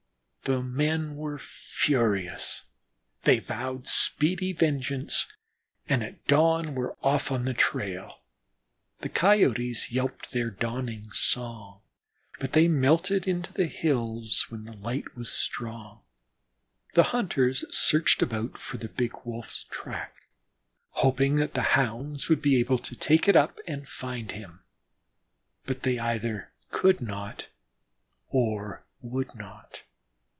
The men were furious. They vowed speedy vengeance, and at dawn were off on the trail. The Coyotes yelped their dawning song, but they melted into the hills when the light was strong. The hunters searched about for the big Wolf's track, hoping that the Hounds would be able to take it up and find him, but they either could not or would not.